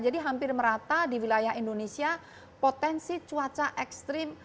jadi hampir merata di wilayah indonesia potensi cuaca ekstrim